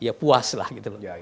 ya puas lah gitu loh